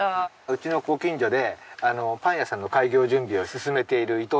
うちのご近所でパン屋さんの開業準備を進めている伊藤さんです。